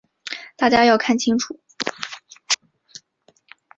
大家要看清楚。